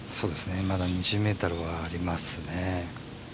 まだ２０ｍはありますね。